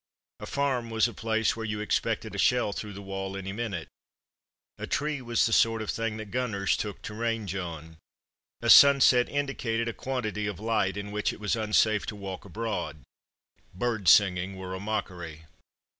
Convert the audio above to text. A farm was a place where you expected a shell through the wall any minute; a tree was the sort of thing the gunners took to range on; a sunset indicated a quantity of light in which it was unsafe to walk abroad. Birds singing were a mockery.